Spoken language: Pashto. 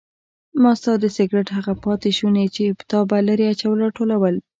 ما ستا د سګرټ هغه پاتې شوني چې تا به لرې اچول راټولول.